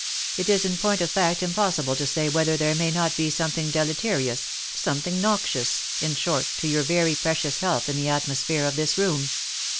It is in point of fact im possible to say whether there may not be something deleterious, some thing noxious, in short, to your very precious health in the atmosphere of this room."